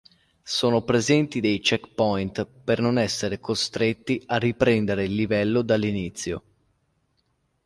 Sono presenti dei checkpoint per non essere costretti a riprendere il livello dall'inizio.